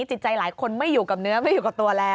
จิตใจหลายคนไม่อยู่กับเนื้อไม่อยู่กับตัวแล้ว